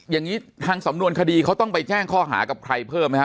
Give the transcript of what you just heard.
อย่างนี้ทางสำนวนคดีเขาต้องไปแจ้งข้อหากับใครเพิ่มไหมฮะ